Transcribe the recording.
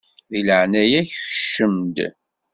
Di leɛnaya-k kcem-d!